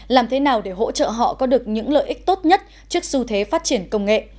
làm thế nào để hỗ trợ họ có được những lợi ích tốt nhất trước xu thế phát triển công nghệ